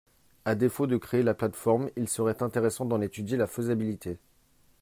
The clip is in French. À défaut de créer la plateforme, il serait intéressant d’en étudier la faisabilité.